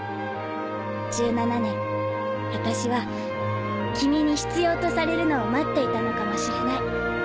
１７年私は君に必要とされるのを待っていたのかもしれない。